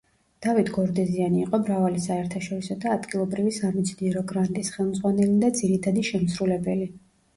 დავით გორდეზიანი იყო მრავალი საერთაშორისო და ადგილობრივი სამეცნიერო გრანტის ხელმძღვანელი და ძირითადი შემსრულებელი.